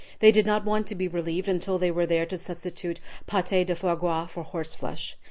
They did not want it to be relieved until they were there to substitute pate de foie gras for horseflesh.